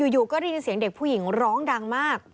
อยู่ก็ได้ยินเสียงเด็กผู้หญิงร้องดังมาก